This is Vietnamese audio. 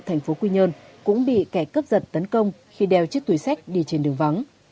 thành phố quy nhơn cũng bị kẻ cướp giật tấn công khi đeo chiếc túi sách đi trên đường vắng